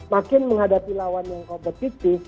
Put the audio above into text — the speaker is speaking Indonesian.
makin menghadapi lawan yang kompetitif